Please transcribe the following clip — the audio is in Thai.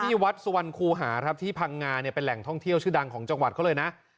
นี่วัดสวรรค์คูหาที่ภังงาเป็นแห่งท่องเที่ยวชื่อดังของจังหวัดเขาเลยนะ